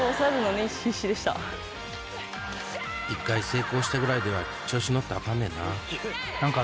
１回成功したぐらいでは調子乗ったらアカンねんな